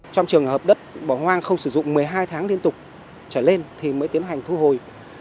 trong trường hợp đất bỏ hoang không sử dụng một mươi hai tháng liên tục trở lên thì mới tiến hành thu hồi